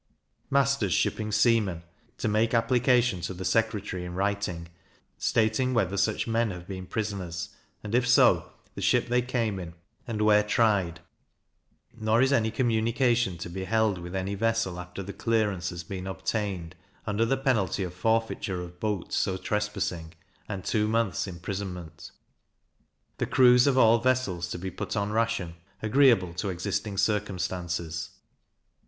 Masters shipping seamen, to make application to the secretary in writing, stating whether such men have been prisoners, and if so, the ship they came in, and where tried; nor is any communication to be held with any vessel after the clearance has been obtained, under the penalty of forfeiture of boat so trespassing, and two months imprisonment. The crews of all vessels to be put on ration, agreeable to existing circumstances.